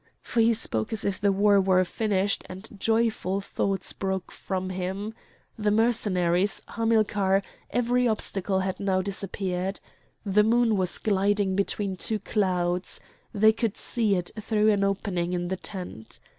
For he spoke as if the war were finished, and joyful laughs broke from him. The Mercenaries, Hamilcar, every obstacle had now disappeared. The moon was gliding between two clouds. They could see it through an opening in the tent.